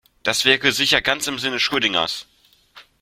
Das wäre sicher ganz im Sinne Schrödingers.